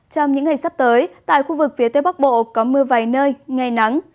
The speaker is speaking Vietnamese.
trong những ngày sắp tới tại khu vực phía tây bắc bộ có mưa vài nơi ngày nắng